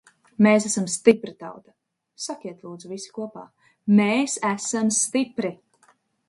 Mēs esam stipra tauta! Sakiet, lūdzu, visi kopā – mēs esam stipri!